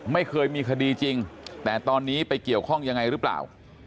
ไม่เคยมีคดีจริงแต่ตอนนี้ไปเกี่ยวข้องยังไงหรือเปล่า